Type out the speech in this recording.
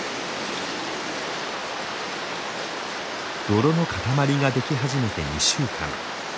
泥の塊ができ始めて２週間。